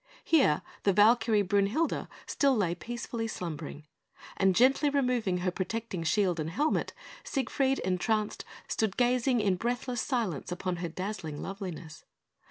Here the Valkyrie, Brünhilde, still lay peacefully slumbering; and gently removing her protecting shield and helmet, Siegfried, entranced, stood gazing in breathless silence upon her dazzling loveliness.